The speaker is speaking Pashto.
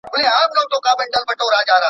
ستا په نظر په راتلونکي کي به کوم بدلونونه راشي؟